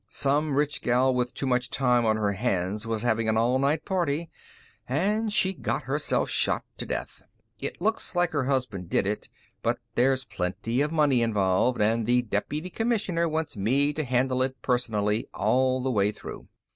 Some rich gal with too much time on her hands was having an all night party, and she got herself shot to death. It looks like her husband did it, but there's plenty of money involved, and the Deputy Commissioner wants me to handle it personally, all the way through.